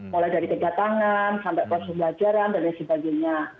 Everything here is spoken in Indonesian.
mulai dari kegiatangan sampai proses pelajaran dan lain sebagainya